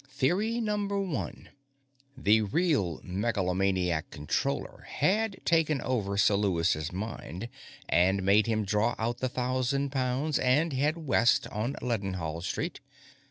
Theory Number One: The real megalomaniac Controller had taken over Sir Lewis's mind and made him draw out the thousand pounds and head west on Leadenhall Street.